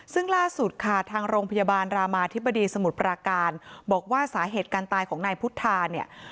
ซึ่งล่าสุดค่ะทางโรงพยาบาลรามาธิบดีสมุทรปราการบอกว่าสาเหตุการตายของนายพุทธาเนี่ย